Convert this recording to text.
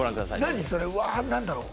何それ⁉うわ何だろう？